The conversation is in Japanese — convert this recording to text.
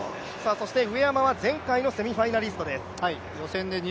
そして上山は前回のセミファイナリストです。